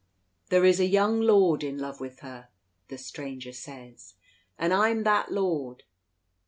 "There is a young lord in love with her," the stranger says, "and I'm that lord.